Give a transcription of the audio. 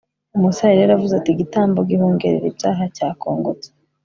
musa yari yaravuze ati igitambo gihongerera ibyaha cyakongotse